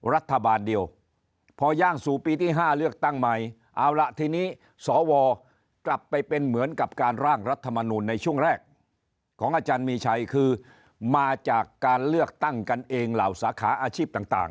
รัฐบาลเดียวพย่างสู่ปีที่๕เลือกตั้งใหม่เอาล่ะทีนี้สวกลับไปเป็นเหมือนกับการร่างรัฐมนูลในช่วงแรกของอาจารย์มีชัยคือมาจากการเลือกตั้งกันเองเหล่าสาขาอาชีพต่าง